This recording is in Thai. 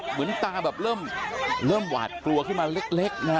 เหมือนตาแบบเริ่มหวาดกลัวขึ้นมาเล็กนะฮะ